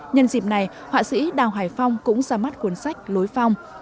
nhân dịp này họa sĩ đào hải phong cũng ra mắt cuốn sách lối phong